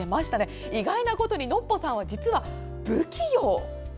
意外なことにノッポさんは実は不器用！？